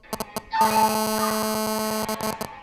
مړینه انسان له ټولو بدبختیو څخه خلاصوي.